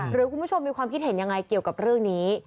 หรือคุณผู้ชมมีความคิดเห็นยังไงเกี่ยวกับเรื่องนี้